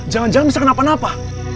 jangan jangan bisa kenapa napa